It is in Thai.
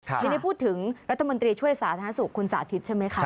ทีนี้พูดถึงรัฐมนตรีช่วยสาธารณสุขคุณสาธิตใช่ไหมคะ